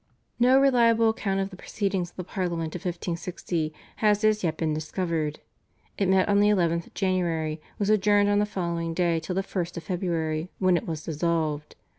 No reliable account of the proceedings of the Parliament of 1560 has as yet been discovered. It met on the 11th January, was adjourned on the following day till the 1st of February, when it was dissolved.